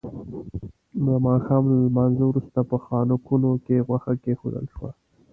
د ماښام له لمانځه وروسته په خانکونو کې غوښه کېښودل شوه.